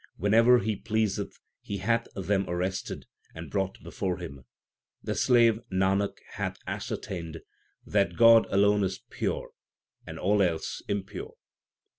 Whenever He pleaseth He hath them arrested and brought before Him. The slave Nanak hath ascertained That God alone is pure and all else impure.